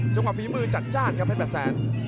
ฝีมือจัดจ้านครับเพชรแปดแสน